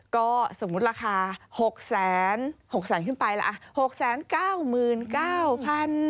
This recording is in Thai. ก็สมมุติราคา๖๙๙๐๐๐บาท